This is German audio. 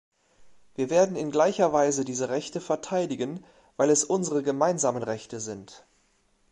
Wir werden in gleicher Weise diese Rechte verteidigen, weil es unsere gemeinsamen Rechte sind.